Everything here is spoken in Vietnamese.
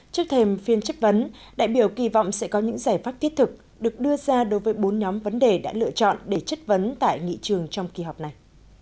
trước thêm phiên chất vấn đại biểu kỳ vọng sẽ có những giải pháp thiết thực được đưa ra đối với bốn nhóm vấn đề đã lựa chọn để chất vấn tại nghị trường trong kỳ họp này